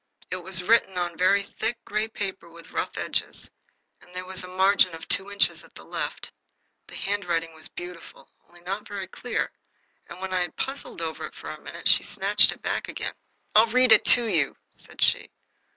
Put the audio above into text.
It was written on very thick gray paper with rough edges, and there was a margin of two inches at the left. The handwriting was beautiful, only not very clear, and when I had puzzled over it for a minute she snatched it back again. "I'll read it to you," said she.